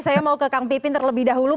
saya mau ke kang pipin terlebih dahulu